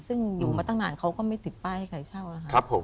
ซึ่งอยู่มาตั้งนานเขาก็ไม่ติดป้ายให้ใครเช่าแล้วครับผม